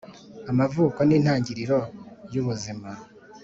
amavuko nintangiriro yubuzima.